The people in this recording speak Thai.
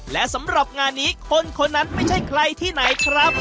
และสำหรับงานนี้คนคนนั้นไม่ใช่ใครที่ไหนครับ